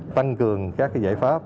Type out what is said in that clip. tăng cường các giải pháp